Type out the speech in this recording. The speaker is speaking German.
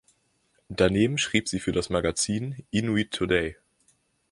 Daneben schrieb sie für das Magazin "Inuit Today".